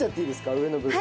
上の部分。